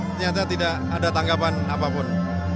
ternyata tidak ada tanggapan apapun